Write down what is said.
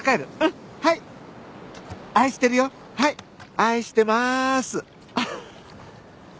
愛してまーす！